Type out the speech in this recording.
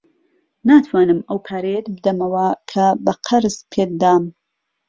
ناتوانم ئەو پارەیەت بدەمەوە کە بە قەرز پێت دام.